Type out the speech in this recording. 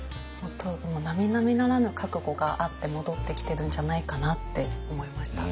もうなみなみならぬ覚悟があって戻ってきてるんじゃないかなって思いました。